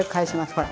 ほら。